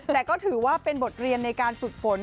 แต่ก็ถือว่าเป็นบทเรียนในการฝึกฝน